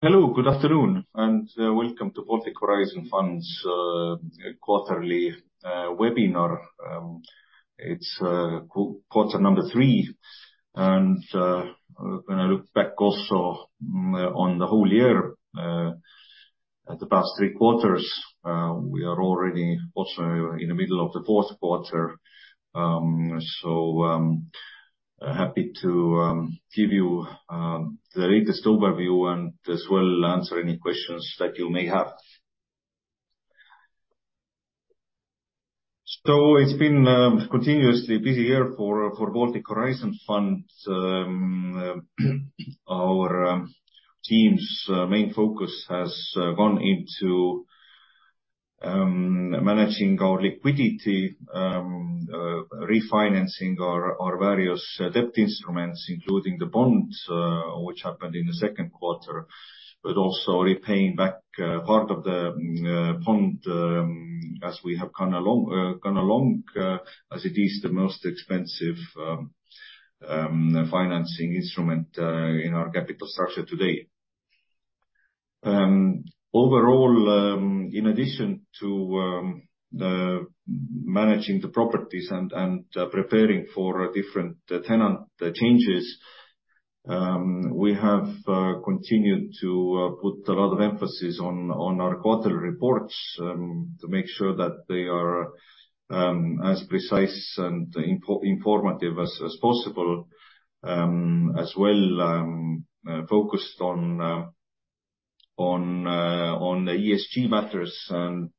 Hello, good afternoon, and welcome to Baltic Horizon Fund's quarterly webinar. It's quarter number three, and when I look back also on the whole year, at the past three quarters, we are already also in the middle of the fourth quarter. So, happy to give you the latest overview and as well answer any questions that you may have. So it's been continuously busy year for Baltic Horizon Fund. Our team's main focus has gone into managing our liquidity, refinancing our various debt instruments, including the bonds, which happened in the second quarter, but also repaying back part of the bond as we have gone along as it is the most expensive financing instrument in our capital structure today. Overall, in addition to managing the properties and preparing for different tenant changes, we have continued to put a lot of emphasis on our quarterly reports to make sure that they are as precise and informative as possible. As well, focused on the ESG matters and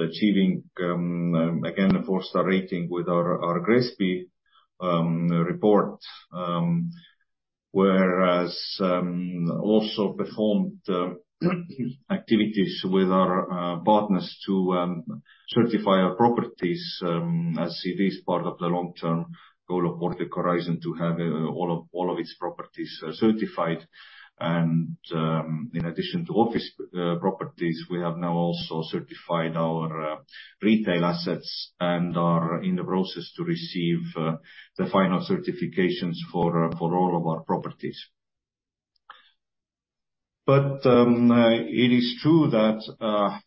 achieving again a four-star rating with our GRESB report. Whereas also performed activities with our partners to certify our properties, as it is part of the long-term goal of Baltic Horizon to have all of its properties certified. And in addition to office properties, we have now also certified our retail assets and are in the process to receive the final certifications for all of our properties. But it is true that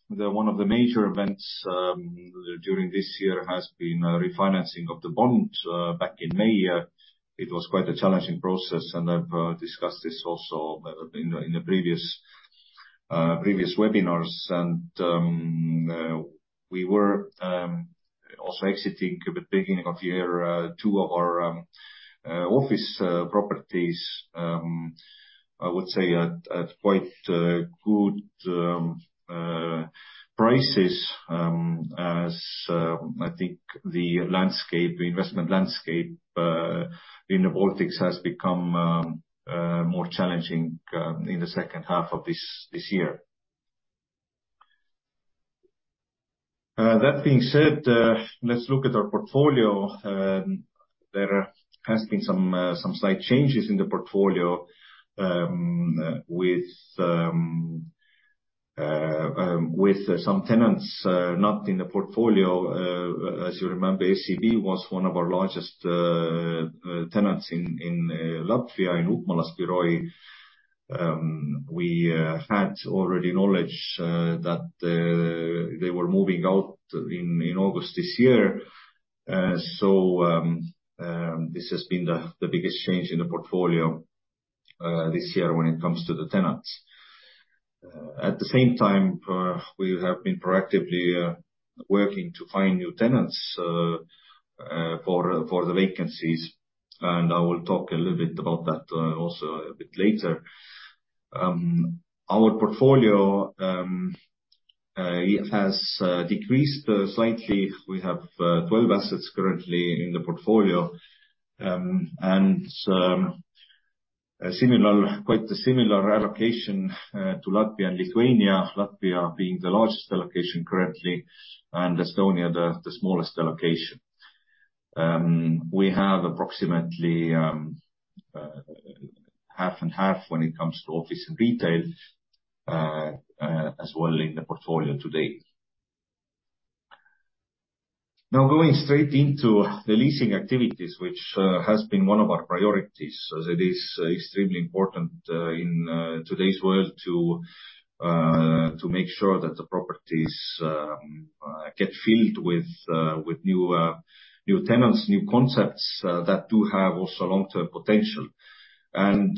one of the major events during this year has been refinancing of the bond back in May. It was quite a challenging process, and I've discussed this also in the previous webinars. And we were also exiting at the beginning of the year two of our office properties, I would say at quite good prices. As I think the landscape, the investment landscape, in the Baltics has become more challenging in the second half of this year. That being said, let's look at our portfolio. There has been some slight changes in the portfolio, with some tenants not in the portfolio. As you remember, SEB was one of our largest tenants in Latvia, in Upmalas Biroji. We had already knowledge that they were moving out in August this year. So, this has been the biggest change in the portfolio this year when it comes to the tenants. At the same time, we have been proactively working to find new tenants for the vacancies, and I will talk a little bit about that also a bit later. Our portfolio has decreased slightly. We have 12 assets currently in the portfolio, and quite a similar allocation to Latvia and Lithuania. Latvia being the largest allocation currently, and Estonia the smallest allocation. We have approximately half and half when it comes to office and retail as well in the portfolio today. Now, going straight into the leasing activities, which has been one of our priorities, as it is extremely important in today's world to make sure that the properties get filled with new tenants, new concepts that do have also long-term potential. And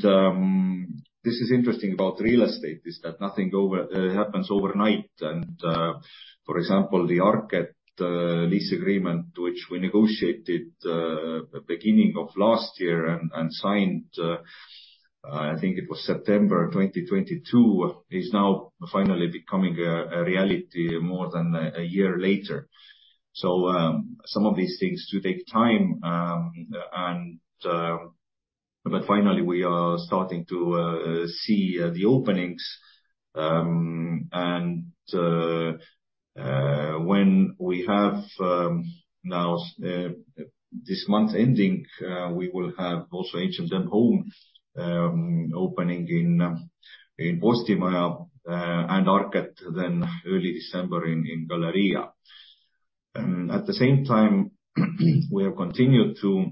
this is interesting about real estate, is that nothing ever happens overnight. And for example, the ARKET lease agreement, which we negotiated beginning of last year and signed, I think it was September 2022, is now finally becoming a reality more than a year later. So some of these things do take time and... But finally, we are starting to see the openings. When we have now this month ending, we will have also H&M Home opening in Postimaja, and ARKET then early December in Galerija. At the same time, we have continued to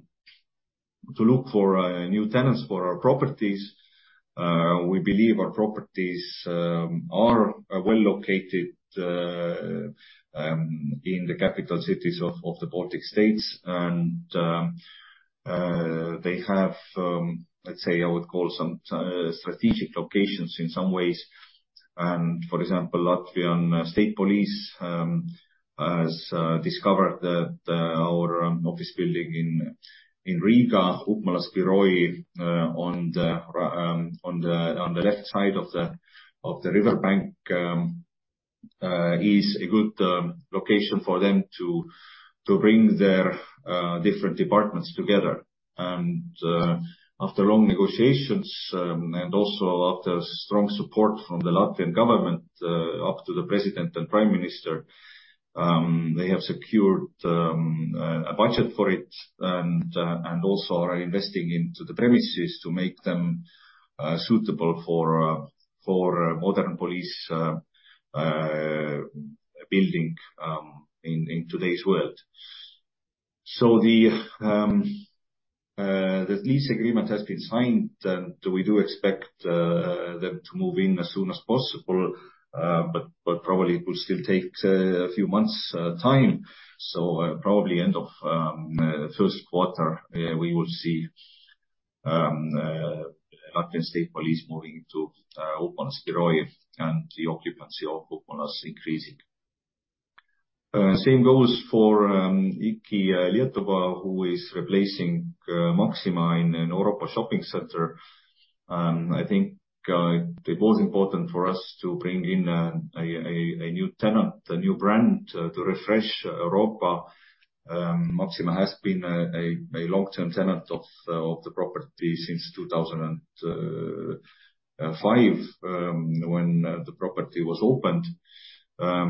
look for new tenants for our properties. We believe our properties are well located in the capital cities of the Baltic States, and they have, let's say, I would call some strategic locations in some ways. For example, Latvian State Police has discovered that our office building in Riga, Upmalas Biroji, on the left side of the riverbank is a good location for them to bring their different departments together. After long negotiations, and also after strong support from the Latvian government, up to the president and prime minister, they have secured a budget for it, and also are investing into the premises to make them suitable for modern police building in today's world. So the lease agreement has been signed, and we do expect them to move in as soon as possible, but probably it will still take a few months time. So, probably end of first quarter, we will see Latvian State Police moving to Upmalas Biroji, and the occupancy of Upmalas Biroji increasing. Same goes for IKI Lietuva, who is replacing Maxima in Europa Shopping Center. I think it was important for us to bring in a new tenant, a new brand, to refresh Europa. Maxima has been a long-term tenant of the property since 2005, when the property was opened. But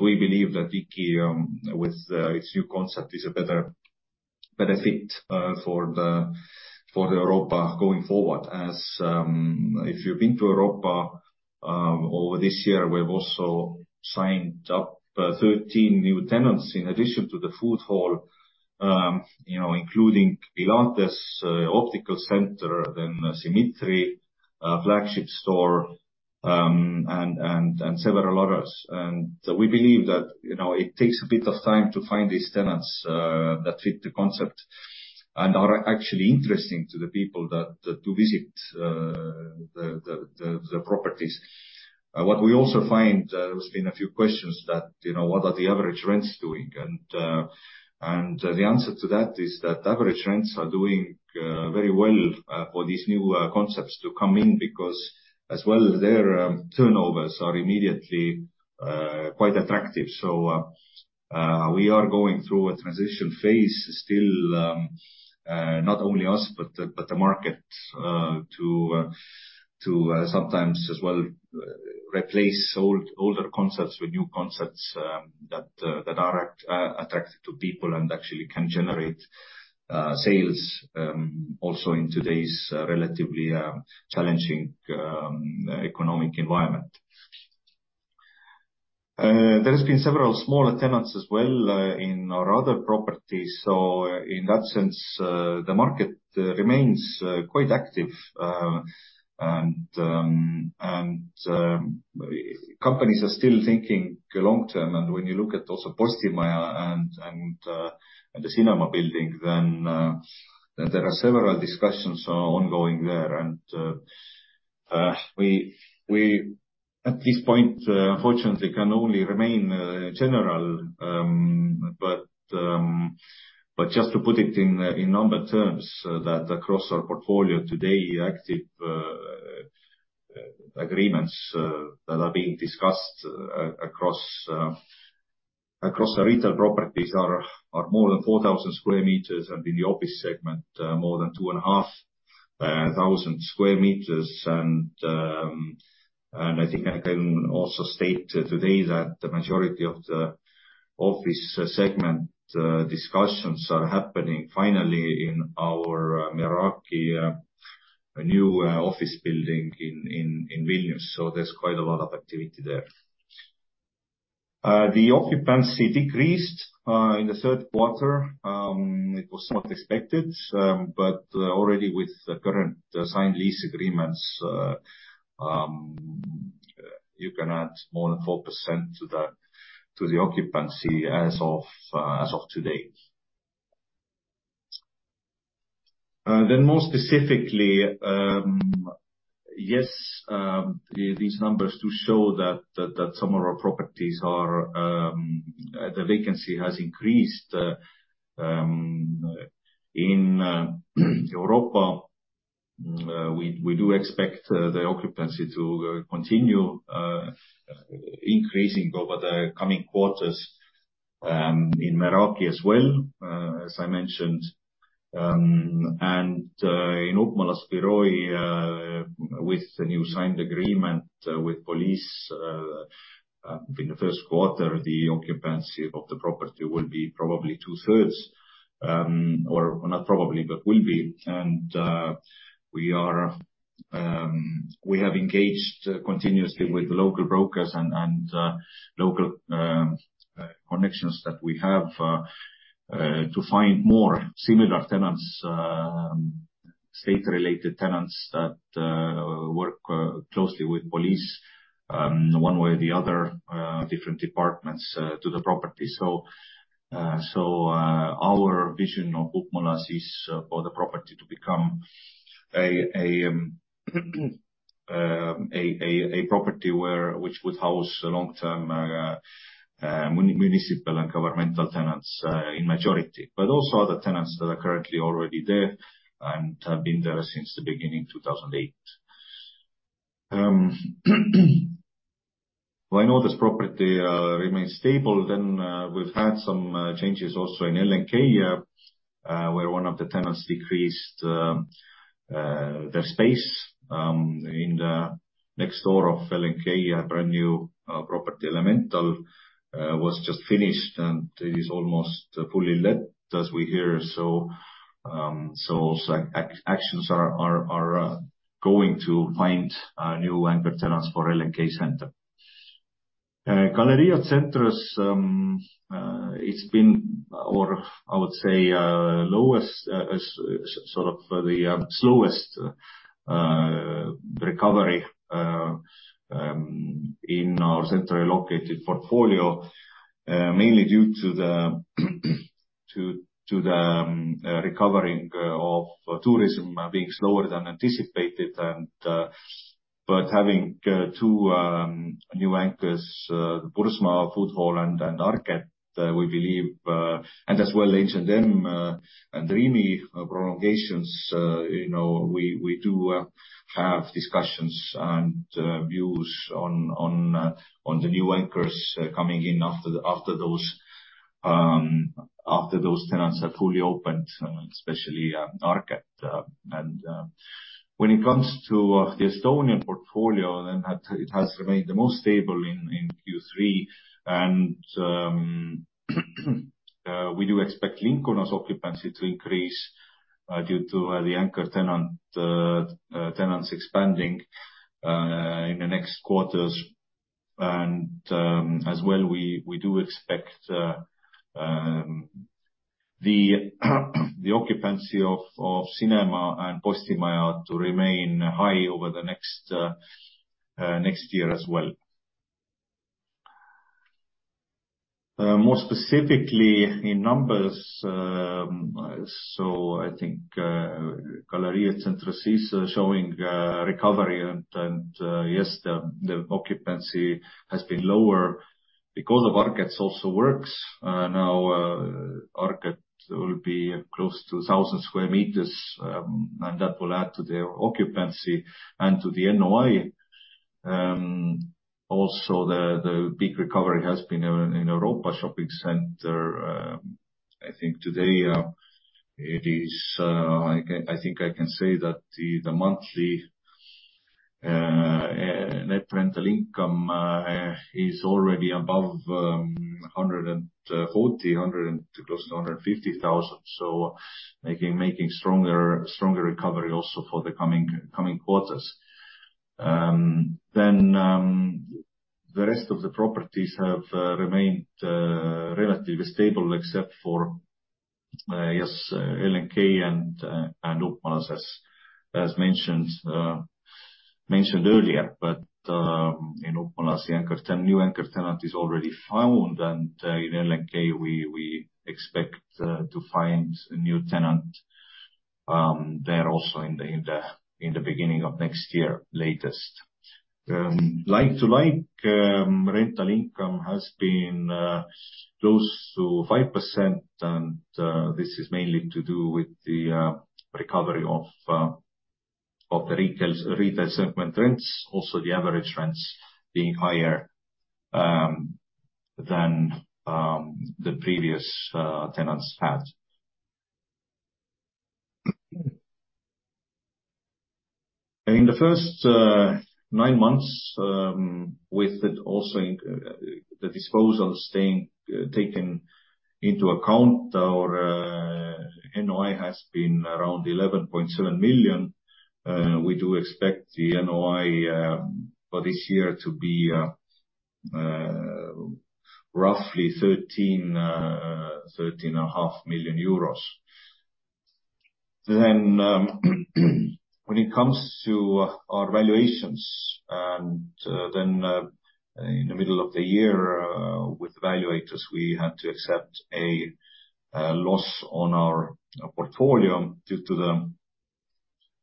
we believe that IKI, with its new concept, is a better fit for the Europa going forward. As if you've been to Europa over this year, we've also signed up 13 new tenants in addition to the food hall. You know, including pilates, optical center, then Symmetry flagship store, and several others. We believe that, you know, it takes a bit of time to find these tenants that fit the concept and are actually interesting to the people that visit the properties. What we also find, there's been a few questions that, you know, what are the average rents doing? And the answer to that is that average rents are doing very well for these new concepts to come in, because as well as their turnovers are immediately quite attractive. So, we are going through a transition phase still, not only us, but the market to sometimes as well replace older concepts with new concepts, that are attractive to people and actually can generate sales also in today's relatively challenging economic environment. There has been several smaller tenants as well in our other properties. So in that sense, the market remains quite active. And companies are still thinking long-term. And when you look at also Postimaja and the cinema building, then there are several discussions are ongoing there. And we at this point unfortunately can only remain general. But just to put it in number terms, that across our portfolio today, active agreements that are being discussed across the retail properties are more than 4,000 sq m, and in the office segment, more than two and a half thousand sq m. And I think I can also state today that the majority of the office segment discussions are happening finally in our Meraki new office building in Vilnius. So there's quite a lot of activity there. The occupancy decreased in the third quarter. It was not expected, but already with the current signed lease agreements, you can add more than 4% to the occupancy as of today. Then more specifically, yes, these numbers do show that some of our properties are the vacancy has increased in Europa. We do expect the occupancy to continue increasing over the coming quarters in Meraki as well, as I mentioned. And in Upmalas Biroji, with the new signed agreement with police in the first quarter, the occupancy of the property will be probably 2/3, or not probably, but will be. And we have engaged continuously with local brokers and local connections that we have to find more similar tenants, state-related tenants that work closely with police one way or the other, different departments to the property. So, our vision of Upmalas is for the property to become a property where which would house a long-term municipal and governmental tenants in majority, but also other tenants that are currently already there and have been there since the beginning, 2008. Well, I know this property remains stable, then we've had some changes also in LNK, where one of the tenants decreased the space. In the next door of LNK, a brand new property Elemental was just finished and is almost fully let, as we hear. So, actions are going to find new anchor tenants for LNK Centre. Galerija Centrs, it's been, or I would say, lowest as sort of the slowest recovery in our central located portfolio, mainly due to the recovering of tourism being slower than anticipated, and. But having two new anchors, the BURZMA Food Hall and ARKET, we believe and as well, H&M and Rimi prolongations, you know, we do have discussions and views on the new anchors coming in after those tenants are fully opened, especially ARKET. When it comes to the Estonian portfolio, then that it has remained the most stable in Q3, and we do expect Lincona occupancy to increase due to the anchor tenants expanding in the next quarters. As well, we do expect the occupancy of Cinema and Postimaja to remain high over the next year as well. More specifically in numbers, so I think Galerija Centrs is showing recovery, and yes, the occupancy has been lower because of ARKET's works. Now, ARKET will be close to 1,000 sq m, and that will add to their occupancy and to the NOI. Also, the big recovery has been in Europa Shopping Center. I think today I can say that the monthly net rental income is already above 140,000, close to 150,000. So making stronger recovery also for the coming quarters. Then, the rest of the properties have remained relatively stable, except for LNK and Upmalas, as mentioned earlier. But, in Upmalas, the new anchor tenant is already found, and in LNK, we expect to find a new tenant there also in the beginning of next year, latest. Like to like, rental income has been close to 5%, and this is mainly to do with the recovery of the retail, retail segment rents, also the average rents being higher than the previous tenants had. In the first nine months, with it also the disposals staying taken into account, our NOI has been around 11.7 million. We do expect the NOI for this year to be roughly 13 million-13.5 million euros. Then, when it comes to our valuations, and then, in the middle of the year, with the valuators, we had to accept a loss on our portfolio due to the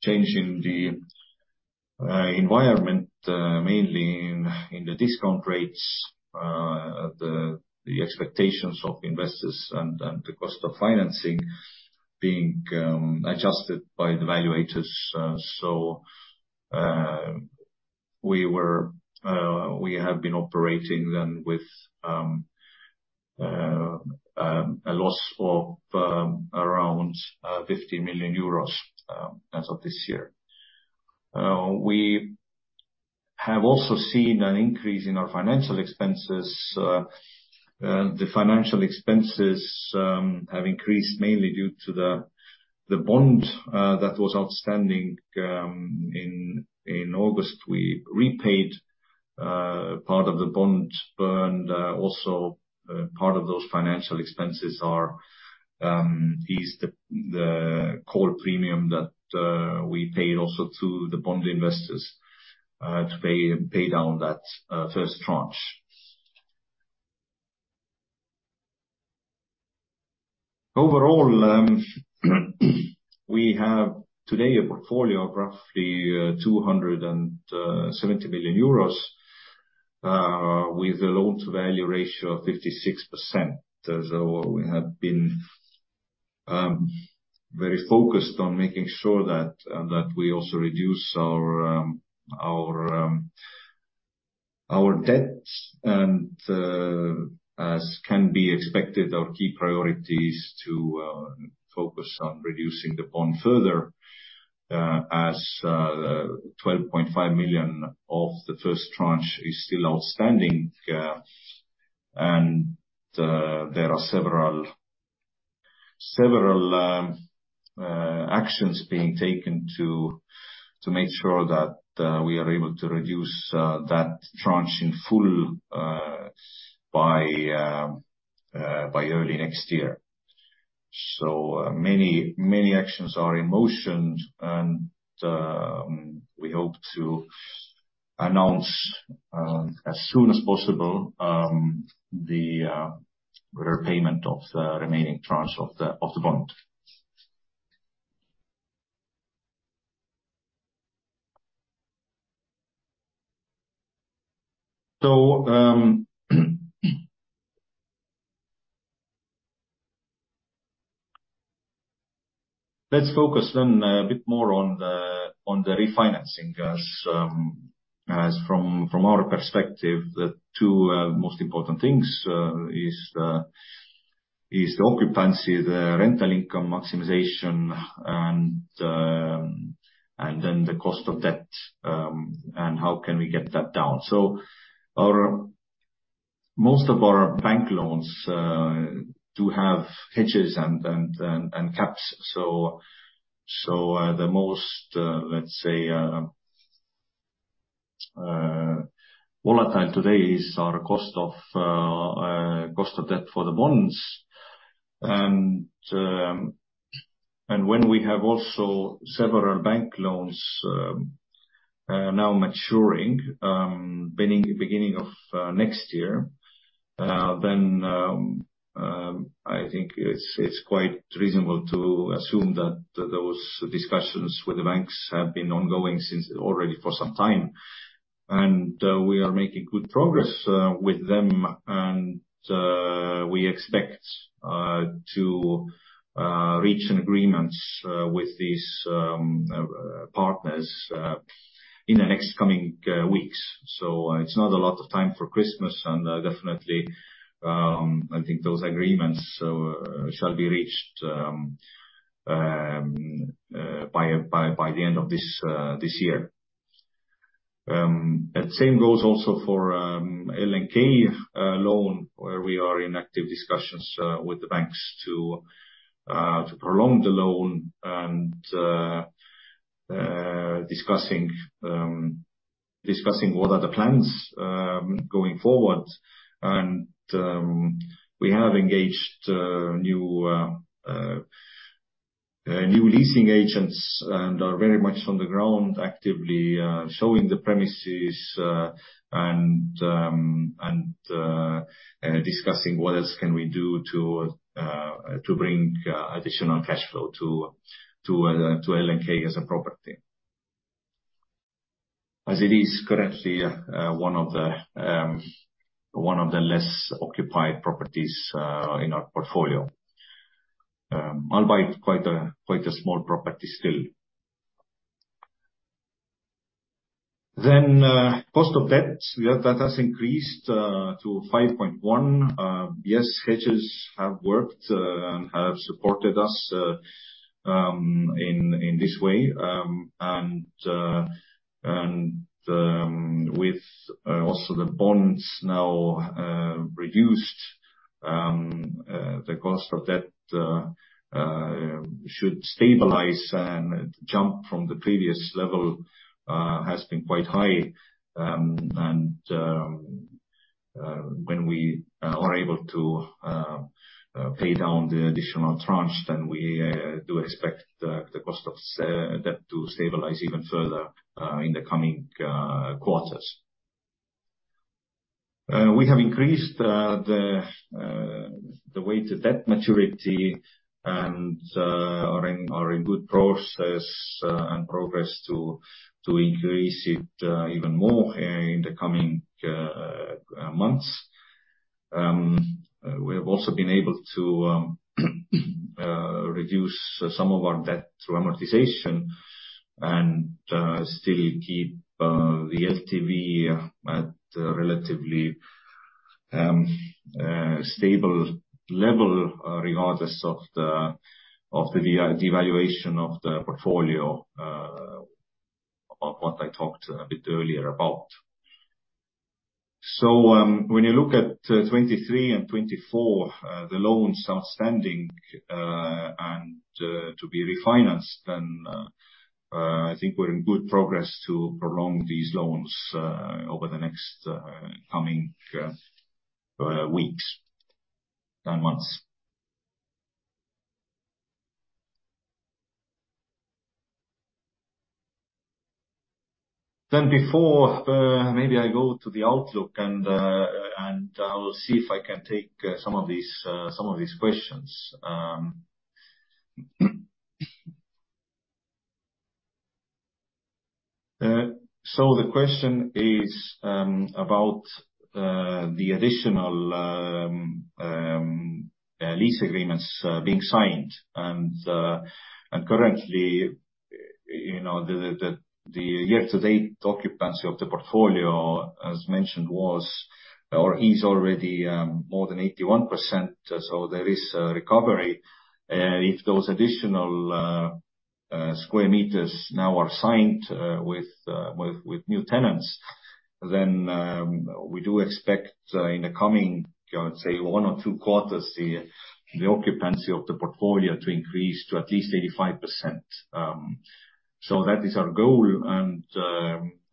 change in the environment, mainly in the discount rates, the expectations of investors and the cost of financing being adjusted by the valuators. So, we have been operating then with a loss of around 50 million euros as of this year. We have also seen an increase in our financial expenses. The financial expenses have increased mainly due to the bond that was outstanding in August. We repaid part of the bond, and also part of those financial expenses is the call premium that we paid also to the bond investors to pay down that first tranche. Overall, we have today a portfolio of roughly 270 million euros with a Loan-to-Value ratio of 56%. So we have been very focused on making sure that that we also reduce our debts. As can be expected, our key priority is to focus on reducing the bond further, as 12.5 million of the first tranche is still outstanding. There are several actions being taken to make sure that we are able to reduce that tranche in full by early next year. Many actions are in motion, and we hope to announce as soon as possible the repayment of the remaining tranche of the bond. Let's focus then a bit more on the refinancing, as from our perspective, the two most important things is the occupancy, the rental income maximization, and then the cost of debt, and how can we get that down? Most of our bank loans do have hedges and caps. So, the most, let's say, volatile today is our cost of debt for the bonds. And, when we have also several bank loans now maturing, beginning of next year, then, I think it's quite reasonable to assume that those discussions with the banks have been ongoing since already for some time. And, we are making good progress with them, and, we expect to reach an agreements with these partners in the next coming weeks. So it's not a lot of time for Christmas, and, definitely, I think those agreements shall be reached by the end of this year. And same goes also for LNK loan, where we are in active discussions with the banks to prolong the loan and discussing what are the plans going forward. And we have engaged new leasing agents, and are very much on the ground actively showing the premises and discussing what else can we do to bring additional cash flow to LNK as a property. As it is currently one of the less occupied properties in our portfolio, albeit quite a small property still. Then cost of debt, yeah, that has increased to 5.1%. Yes, hedges have worked and have supported us in this way. And with also the bonds now reduced, the cost of debt should stabilize and jump from the previous level, has been quite high. And when we are able to pay down the additional tranche, then we do expect the cost of debt to stabilize even further in the coming quarters. We have increased the weighted debt maturity and are in good process and progress to increase it even more in the coming months. We have also been able to reduce some of our debt through amortization and still keep the LTV at a relatively... stable level, regardless of the devaluation of the portfolio, of what I talked a bit earlier about. So, when you look at 2023 and 2024, the loans outstanding, and to be refinanced, then, I think we're in good progress to prolong these loans, over the next coming weeks and months. Then before, maybe I go to the outlook and, and I will see if I can take, some of these, some of these questions. So the question is, about the additional lease agreements being signed, and, and currently, you know, the year-to-date occupancy of the portfolio, as mentioned, was or is already, more than 81%, so there is a recovery. If those additional sq m now are signed with new tenants, then we do expect in the coming, let's say, one or two quarters, the occupancy of the portfolio to increase to at least 85%. So that is our goal, and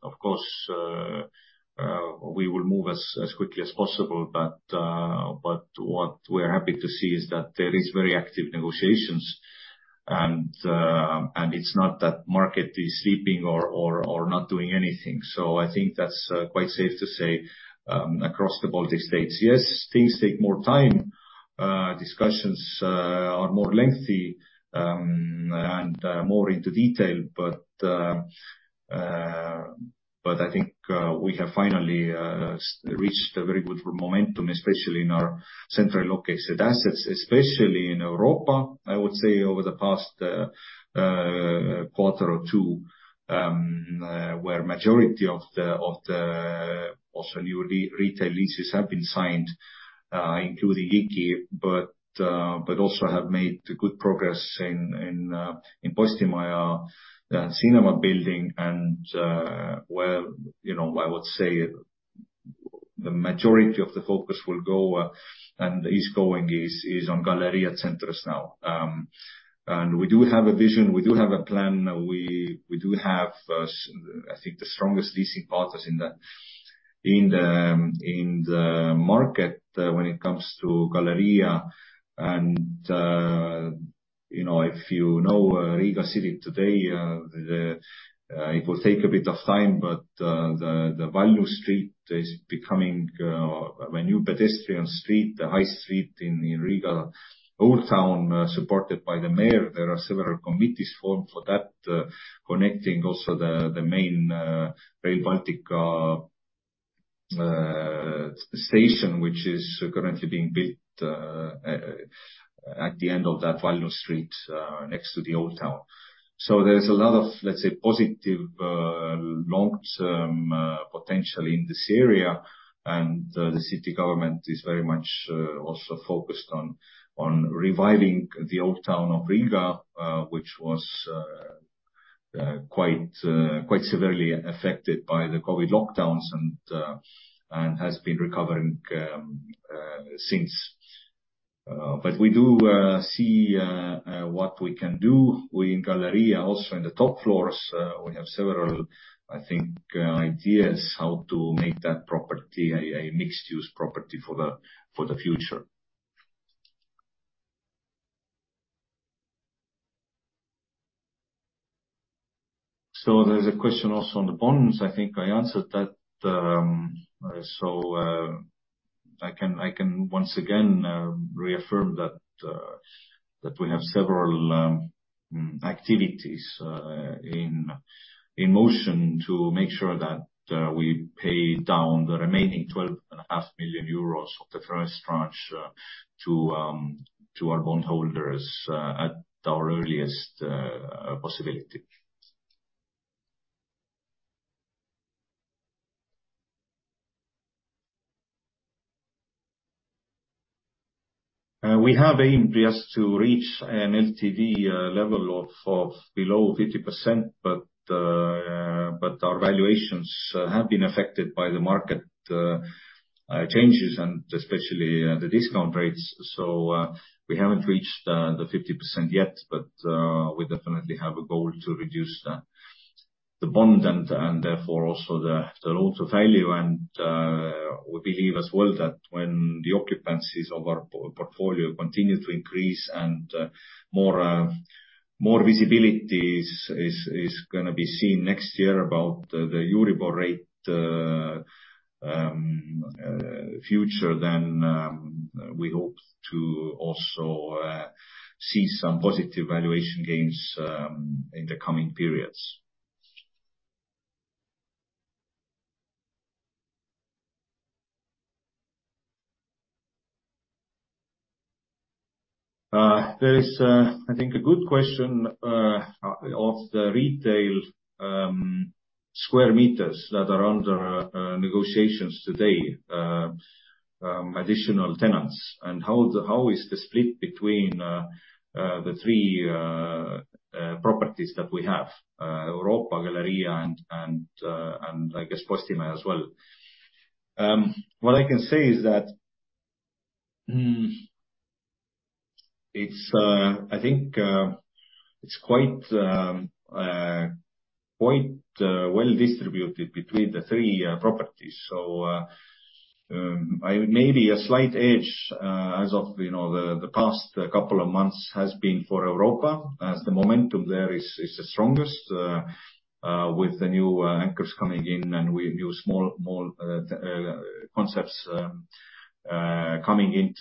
of course we will move as quickly as possible. But what we're happy to see is that there is very active negotiations, and it's not that market is sleeping or not doing anything. So I think that's quite safe to say across the Baltic States. Yes, things take more time, discussions are more lengthy, and more into detail, but I think we have finally reached a very good momentum, especially in our centrally located assets, especially in Europa. I would say over the past quarter or two, where majority of the also new retail leases have been signed, including IKI, but also have made good progress in Postimaja, the cinema building, and where, you know, I would say the majority of the focus will go and is going is on Galerija Centrs now. And we do have a vision, we do have a plan, we do have, I think, the strongest leasing partners in the market, when it comes to Galerija Centrs. You know, if you know Riga City today, it will take a bit of time, but the Vaļņu Street is becoming a new pedestrian street, the high street in Riga Old Town, supported by the mayor. There are several committees formed for that, connecting also the main Rail Baltic station, which is currently being built at the end of that Vaļņu Street, next to the Old Town. So there's a lot of, let's say, positive long-term potential in this area, and the city government is very much also focused on reviving the Old Town of Riga, which was quite severely affected by the COVID lockdowns and has been recovering since. But we do see what we can do. We in Galerija Centrs, also in the top floors, we have several, I think, ideas how to make that property a mixed-use property for the future. So there's a question also on the bonds. I think I answered that, so I can once again reaffirm that we have several activities in motion to make sure that we pay down the remaining 12.5 million euros of the first tranche to our bondholders at our earliest possibility. We have aimed just to reach an LTV level of below 50%, but our valuations have been affected by the market changes and especially the discount rates. So, we haven't reached the 50% yet, but we definitely have a goal to reduce the bond and therefore also the loan-to-value. And we believe as well that when the occupancies of our portfolio continue to increase and more visibility is gonna be seen next year about the EURIBOR rate future, then we hope to also see some positive valuation gains in the coming periods. There is, I think, a good question of the retail sq m that are under negotiations today, additional tenants, and how the, how is the split between the three properties that we have, Europa, Galerija, and I guess, Postimaja as well? What I can say is that it's, I think, it's quite well distributed between the three properties. So, maybe a slight edge as of, you know, the past couple of months has been for Europa, as the momentum there is the strongest with the new anchors coming in and with new small concepts coming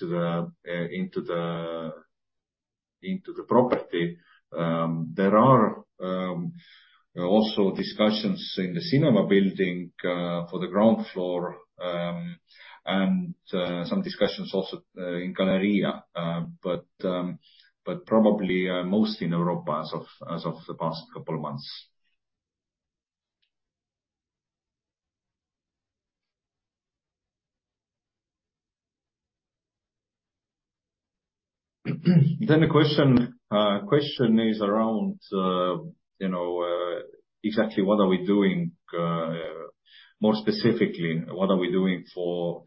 into the property. There are also discussions in the cinema building for the ground floor, and some discussions also in Galerija, but probably most in Europa as of the past couple months. Then the question is around, you know, exactly what are we doing, more specifically, what are we doing for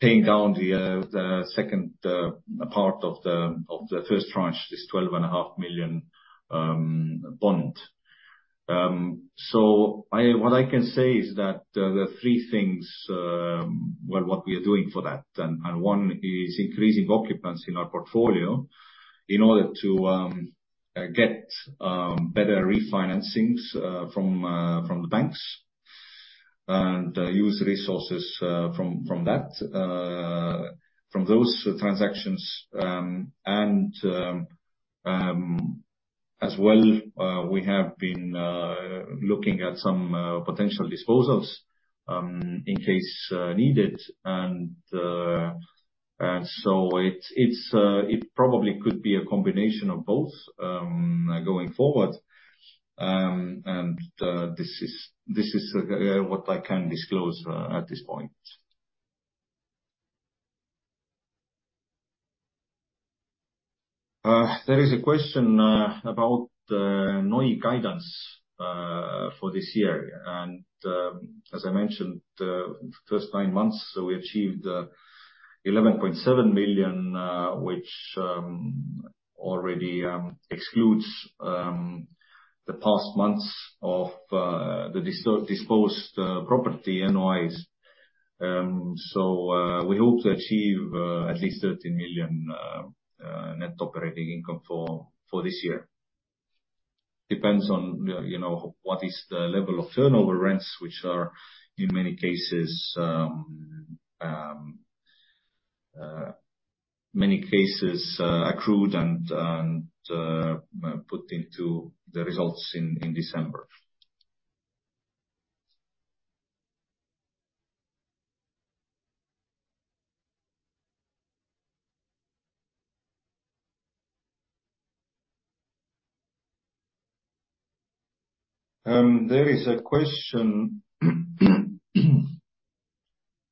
paying down the second part of the first tranche, this 12.5 million bond? So I... What I can say is that there are three things, well, what we are doing for that, and one is increasing occupancy in our portfolio in order to get better refinancings from the banks, and use resources from those transactions. And as well, we have been looking at some potential disposals, in case needed. And so it's probably could be a combination of both, going forward. And, this is what I can disclose at this point. There is a question about NOI guidance for this year. And, as I mentioned, the first nine months, so we achieved 11.7 million, which already excludes the past months of the disposed property NOIs. So, we hope to achieve at least 13 million net operating income for this year. Depends on, you know, you know, what is the level of turnover rents, which are, in many cases, many cases, accrued and, and, put into the results in December. There is a question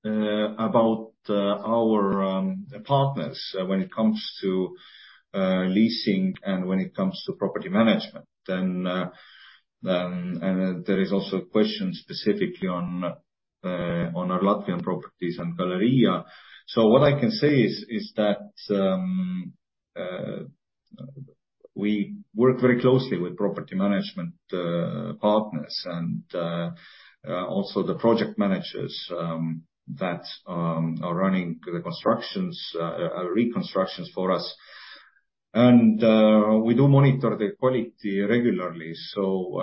about our partners when it comes to leasing and when it comes to property management. Then, and then there is also a question specifically on our Latvian properties and Galerija Centrs. So what I can say is that we work very closely with property management partners and also the project managers that are running the constructions reconstructions for us. And we do monitor the quality regularly, so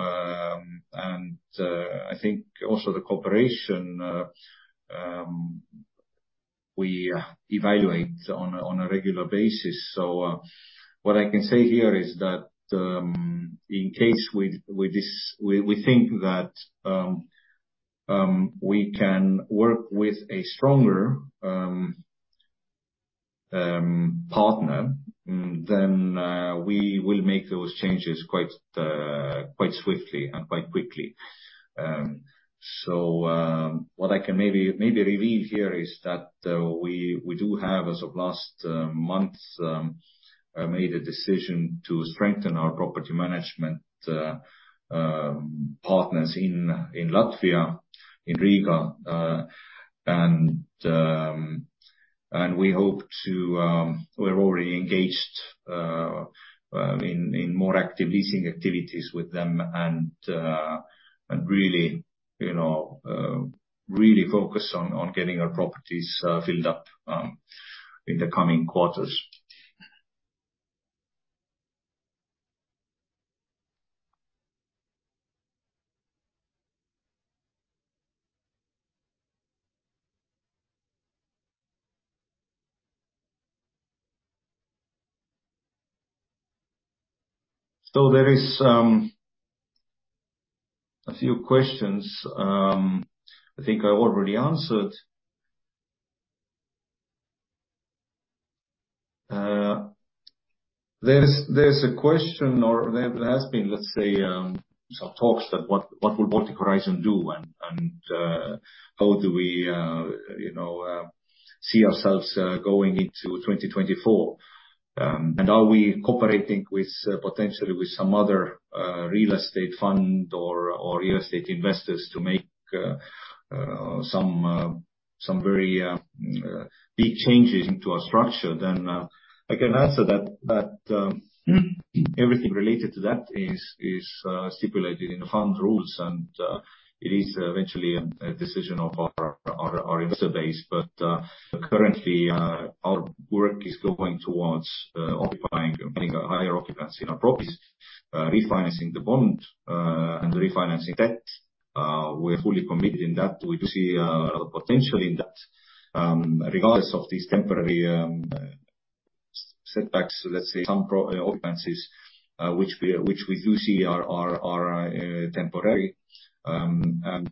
and I think also the cooperation we evaluate on a regular basis. So what I can say here is that in case we think that we can work with a stronger partner, then we will make those changes quite swiftly and quite quickly. So, what I can maybe, maybe reveal here is that, we, we do have, as of last, month, made a decision to strengthen our property management, partners in, in Latvia, in Riga. And, and we hope to... We're already engaged, in, in more active leasing activities with them and, and really, you know, really focused on, on getting our properties, filled up, in the coming quarters. So there is... A few questions, I think I already answered. There's, there's a question or there, there has been, let's say, some talks that what, what will Baltic Horizon do? And, and, how do we, you know, see ourselves, going into 2024? And are we cooperating with potentially with some other real estate fund or real estate investors to make some very big changes into our structure? Then I can answer that everything related to that is stipulated in the fund rules, and it is eventually a decision of our investor base. But currently our work is going towards occupying, getting a higher occupancy in our properties, refinancing the bond, and refinancing debt. We're fully committed in that. We do see potential in that regardless of these temporary setbacks, let's say, some which we do see are temporary. And...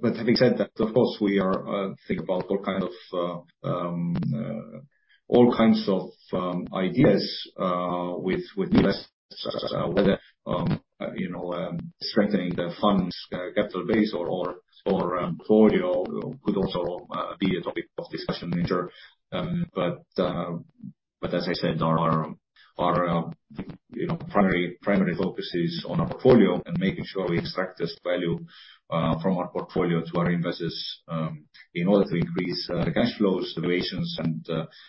But having said that, of course, we are thinking about all kinds of ideas with investors, you know, strengthening the fund's capital base or portfolio could also be a topic of discussion, major. But as I said, our primary focus is on our portfolio and making sure we extract this value from our portfolio to our investors in order to increase the cash flows, valuations, and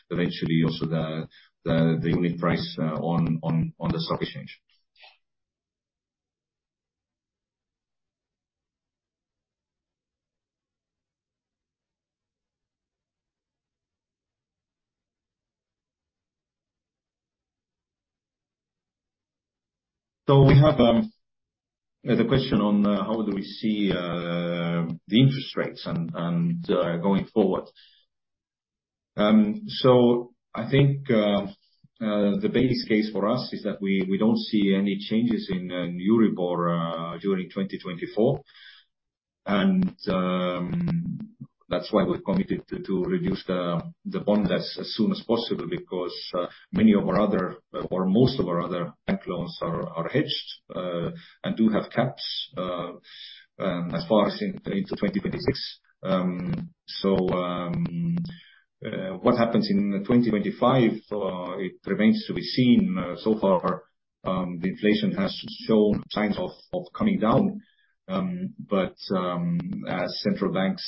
eventually also the unit price on the stock exchange. So we have the question on how do we see the interest rates and going forward. So I think the base case for us is that we don't see any changes in EURIBOR during 2024. And that's why we've committed to reduce the bond as soon as possible, because many of our other or most of our other bank loans are hedged and do have caps as far as into 2026. So what happens in 2025, it remains to be seen. So far, the inflation has shown signs of coming down, but as central banks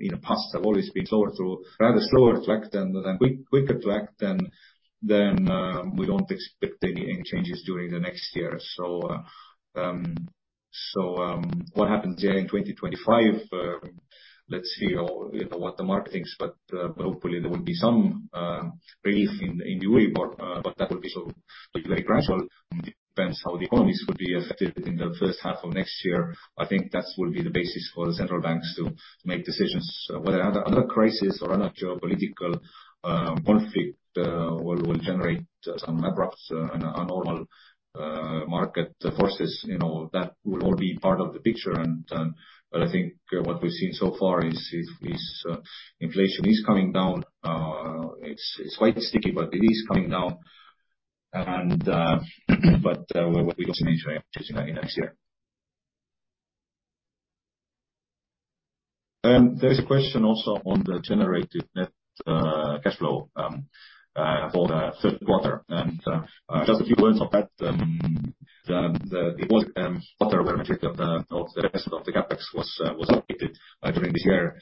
in the past have always been slower to rather slower track than quicker track, then we don't expect any changes during the next year. So what happens here in 2025? Let's see or, you know, what the market thinks, but hopefully there will be some relief in EURIBOR, but that will be so very gradual. It depends how the economies will be affected in the first half of next year. I think that will be the basis for the central banks to make decisions whether another crisis or another geopolitical conflict will generate some abrupt and abnormal market forces, you know, that will all be part of the picture. But I think what we've seen so far is inflation is coming down. It's quite sticky, but it is coming down. But we got some inflation in next year. There's a question also on the generated net cash flow for the third quarter. Just a few words on that, the of the rest of the CapEx was updated during the year.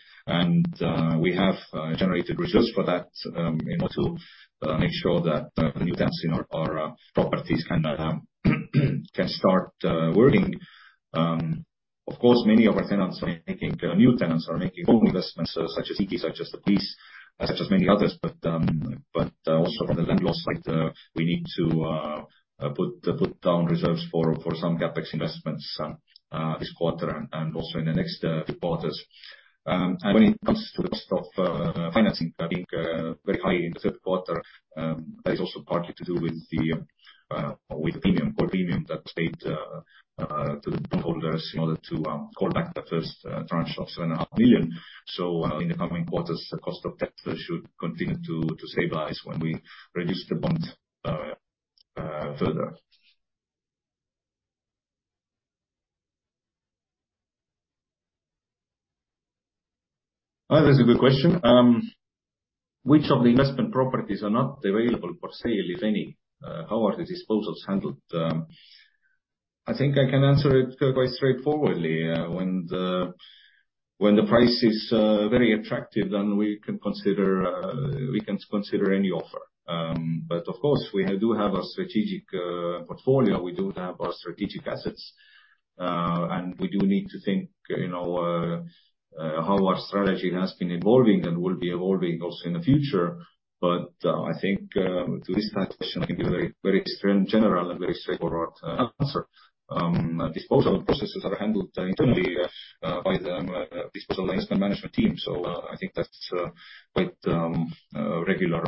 We have generated reserves for that, you know, to make sure that the new tenants in our properties can start working. Of course, many of our tenants are making... New tenants are making home investments, such as IKI, such as the Peace, such as many others. But also from the landlord's side, we need to put down reserves for some CapEx investments, this quarter and also in the next quarters. When it comes to the cost of financing, I think very high in the third quarter, that is also partly to do with the premium, core premium that paid to the bondholders in order to call back the first tranche of 7.5 million. So, in the coming quarters, the cost of debt should continue to stabilize when we reduce the bond further. That's a good question. Which of the investment properties are not available for sale, if any? How are the disposals handled? I think I can answer it quite straightforwardly. When the price is very attractive, then we can consider any offer. But of course, we do have our strategic portfolio, we do have our strategic assets, and we do need to think, you know, how our strategy has been evolving and will be evolving also in the future. But I think to this question, I can be very, very extreme, general, and very straightforward answer. Disposal processes are handled internally by the disposal investment management team. So I think that's quite regular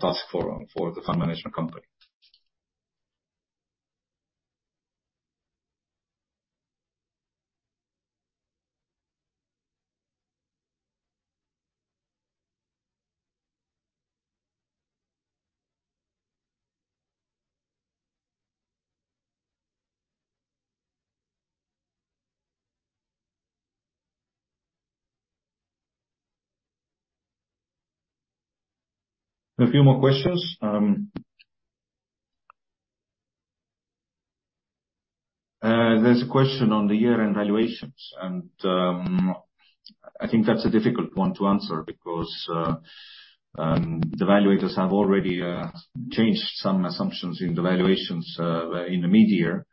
task for the fund management company. A few more questions. There's a question on the year-end valuations, and I think that's a difficult one to answer because the valuators have already changed some assumptions in the valuations in the mid-year.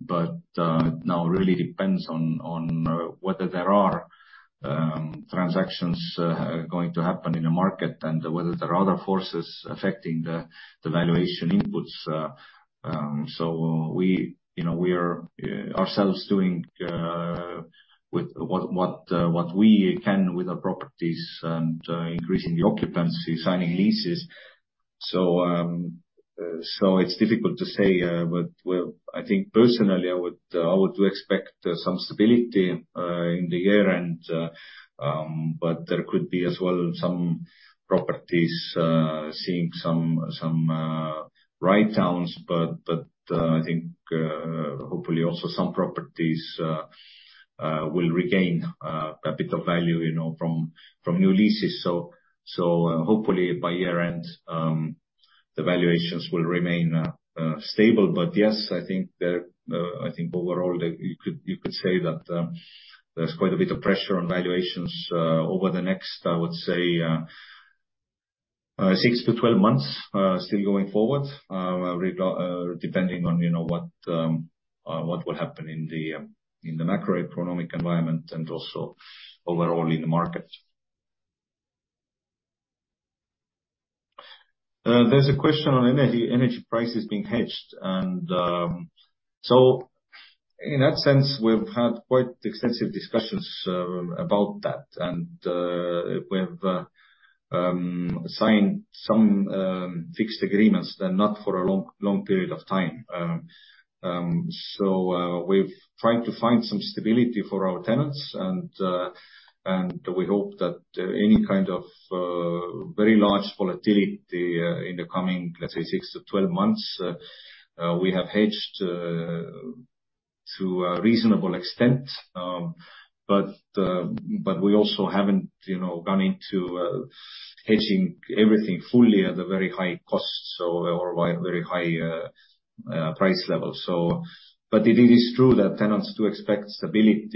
But it now really depends on whether there are transactions going to happen in the market, and whether there are other forces affecting the valuation inputs. So we, you know, we are ourselves doing with what we can with our properties and increasing the occupancy, signing leases. So it's difficult to say, but well, I think personally, I would expect some stability in the year and, but there could be as well, some properties seeing some write-downs. But I think, hopefully also some properties will regain a bit of value, you know, from new leases. So hopefully by year-end, the valuations will remain stable. But yes, I think overall you could say that there's quite a bit of pressure on valuations over the next, I would say, six to 12 months still going forward. Regarding, depending on, you know, what will happen in the macroeconomic environment and also overall in the market. There's a question on energy prices being hedged, and... So in that sense, we've had quite extensive discussions about that, and we've signed some fixed agreements, though not for a long period of time. So, we've tried to find some stability for our tenants, and we hope that any kind of very large volatility in the coming, let's say, six to 12 months, we have hedged to a reasonable extent. But we also haven't, you know, gone into hedging everything fully at a very high cost, so or very high price level. So, but it is true that tenants do expect stability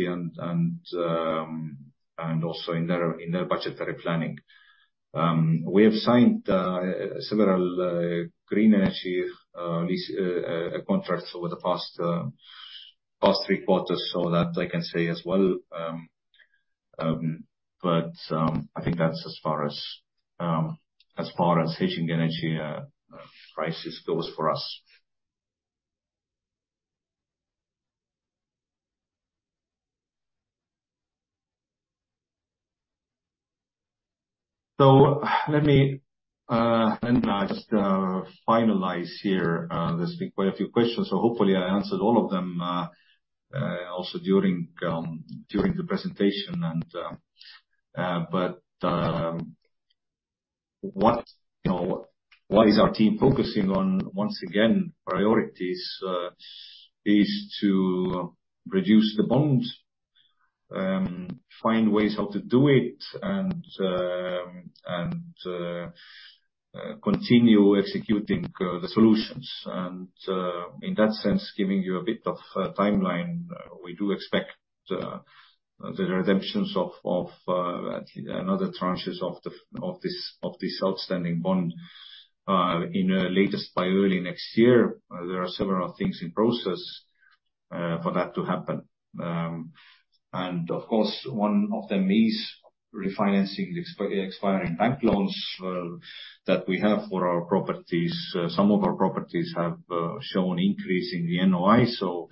and also in their budgetary planning. We have signed several green energy lease contracts over the past three quarters, so that I can say as well, but I think that's as far as hedging energy prices goes for us. So let me and I just finalize here. There's been quite a few questions, so hopefully I answered all of them also during the presentation. But what, you know, what is our team focusing on? Once again, priorities is to reduce the bonds, find ways how to do it, and continue executing the solutions. And in that sense, giving you a bit of a timeline, we do expect the redemptions of another tranches of this outstanding bond in latest by early next year. There are several things in process for that to happen. And of course, one of them is refinancing the expiring bank loans that we have for our properties. Some of our properties have shown increase in the NOI, so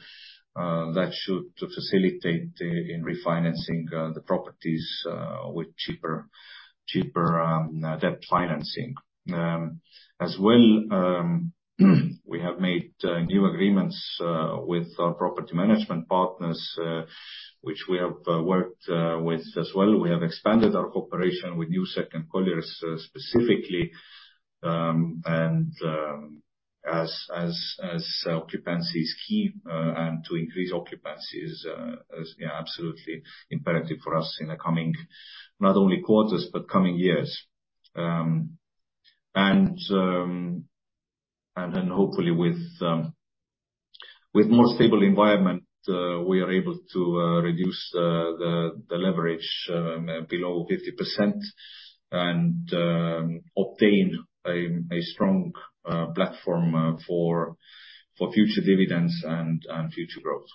that should facilitate the refinancing the properties with cheaper debt financing. As well, we have made new agreements with our property management partners which we have worked with as well. We have expanded our cooperation with Newsec and Colliers specifically. And as occupancy is key and to increase occupancy is absolutely imperative for us in the coming not only quarters but coming years. And then hopefully with more stable environment we are able to reduce the leverage below 50% and obtain a strong platform for future dividends and future growth.